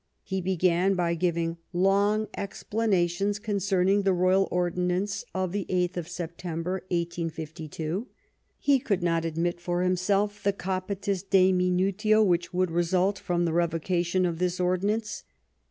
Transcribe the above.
He began by giving long explanations concern ing the Royal Ordinance of the 8th of September, 1852 ; he could not admit for himself the capitis deminutio which would result from the revocation of this ordinance.